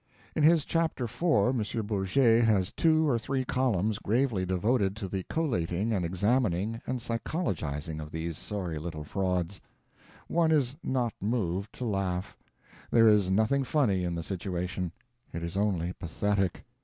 In his Chapter IV. M. Bourget has two or three columns gravely devoted to the collating and examining and psychologizing of these sorry little frauds. One is not moved to laugh. There is nothing funny in the situation; it is only pathetic.